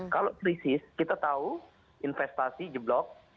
kalau krisis kita tahu investasi jeblok